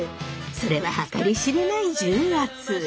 それは計り知れない重圧。